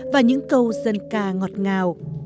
và những câu dân ca ngọt ngào